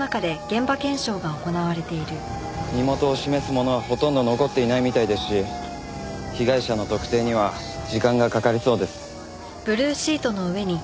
身元を示すものはほとんど残っていないみたいですし被害者の特定には時間がかかりそうです。